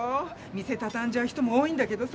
店たたんじゃう人も多いんだけどさ